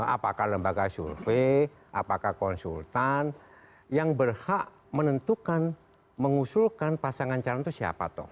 apakah lembaga survei apakah konsultan yang berhak menentukan mengusulkan pasangan calon itu siapa toh